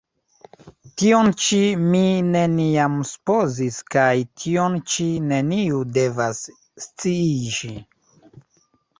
tion ĉi mi neniam supozis kaj tion ĉi neniu devas sciiĝi!